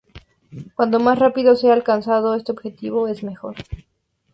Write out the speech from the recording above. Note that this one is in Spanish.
Cuanto más rápido sea alcanzado este objetivo, es mejor.